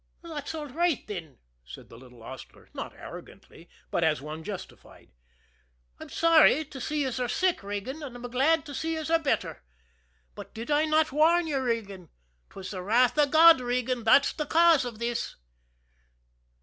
"Thot's all right, thin," said the little hostler, not arrogantly, but as one justified. "I'm sorry to see yez are sick, Regan, an' I'm glad to see yez are better but did I not warn yez, Regan? 'Twas the wrath av God, Regan, thot's the cause av this."